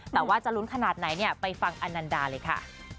แต่ว่าจะลุ้นขนาดไหนเนี่ยไปฟังอนันดาเลยค่ะ